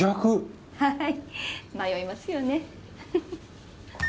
はい迷いますよねフフフ。